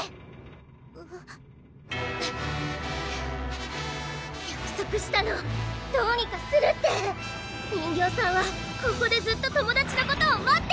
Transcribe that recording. ハァハァハァ約束したのどうにかするって人形さんはここでずっと友達のことを待ってるの！